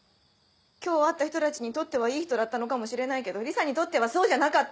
今日会った人たちにとってはいい人だったのかもしれないけどリサにとってはそうじゃなかった。